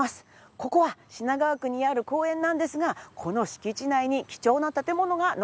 ここは品川区にある公園なんですがこの敷地内に貴重な建物が残されてるそうなんです。